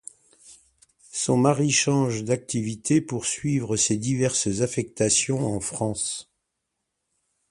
Son mari change d'activité pour suivre ses diverses affectations en France.